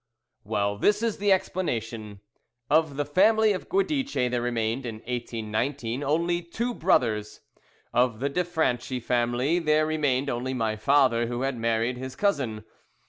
"Well, this is the explanation: Of the family of Guidice there remained, in 1819, only two brothers. Of the de Franchi family there remained only my father, who had married his cousin.